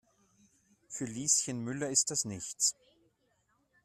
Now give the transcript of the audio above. Für Lieschen Müller ist das nichts.